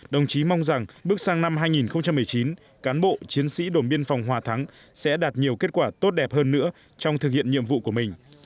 đồng chí mong rằng bước sang năm hai nghìn một mươi chín cán bộ chiến sĩ đồn biên phòng hòa thắng sẽ đạt nhiều kết quả tốt đẹp hơn nữa trong thực hiện nhiệm vụ của mình